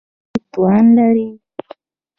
د تولید توان لري.